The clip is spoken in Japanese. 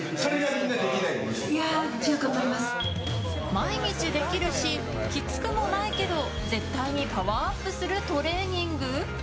毎日できるしきつくもないけど絶対にパワーアップするトレーニング？